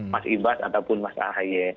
mas ibas ataupun mas ahy